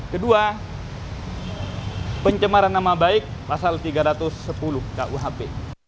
kedua pencemaran nama baik pasal tiga ratus sepuluh kuhp